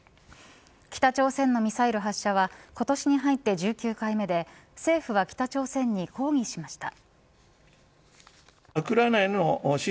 北朝鮮のミサイル発射は今年に入って１９回目で政府は北朝鮮に抗議しました。